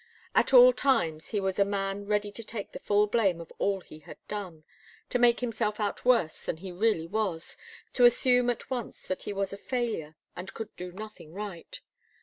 At all times he was a man ready to take the full blame of all he had done, to make himself out worse than he really was, to assume at once that he was a failure and could do nothing right.